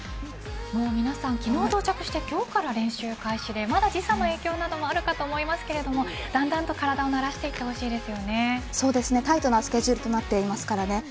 皆さん、昨日到着して今日から練習開始で時差の影響もあるかと思いますがだんだんと体をそうですね、タイトなスケジュールとなっていますからね。